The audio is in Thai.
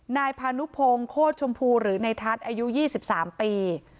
นายพานุพงศ์โคตรชมพูหรือในทัศน์อายุ๒๓ปี